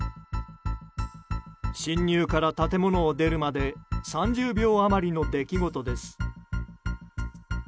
侵入から建物を出るまで３０秒余りの出来事です。